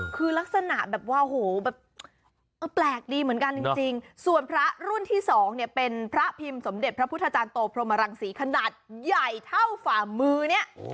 คือลักษณะแบบว่าโหแบบเออแปลกดีเหมือนกันจริงส่วนพระรุ่นที่สองเนี่ยเป็นพระพิมพ์สมเด็จพระพุทธจารย์โตพรหมรังศรีขนาดใหญ่เท่าฝ่ามือเนี่ย